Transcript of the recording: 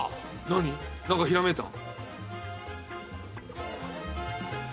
何かひらめいた？